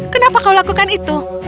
kenapa kau lakukan itu